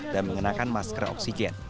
dan mengenakan masker oksigen